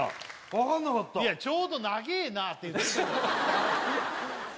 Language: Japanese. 分かんなかったちょうど「長えな」って言ってたんですよ